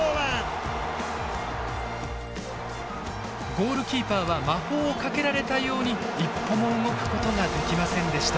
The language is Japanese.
ゴールキーパーは魔法をかけられたように一歩も動くことができませんでした。